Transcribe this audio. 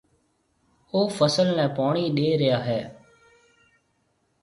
او فصل نَي پوڻِي ڏيَ ريا هيَ۔